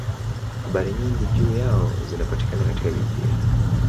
Habari nyingi juu yao zinapatikana katika Biblia.